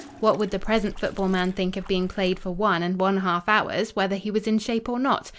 "What would the present football man think of being played for one and one half hours whether he was in shape or not?